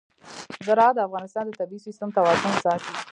زراعت د افغانستان د طبعي سیسټم توازن ساتي.